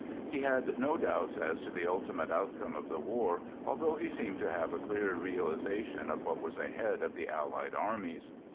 He had no doubts as to the ultimate outcome of the war, although he seemed to have a clear realiza tion of what was ahead of the Allied armies.